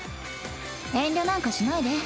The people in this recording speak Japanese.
遠慮なんかしないで。